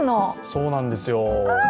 そうなんですよ。